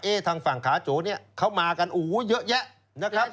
ทางฝั่งขาโจเนี่ยเขามากันโอ้โหเยอะแยะนะครับ